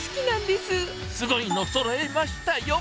すごいのそろえましたよ。